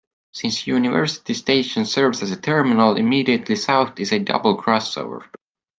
Since University station serves as a terminal, immediately south is a double crossover.